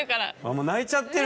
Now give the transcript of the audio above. もう泣いちゃってる。